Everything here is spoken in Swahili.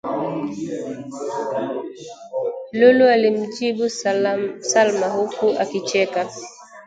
Lulu alimjibu Salma huku akicheka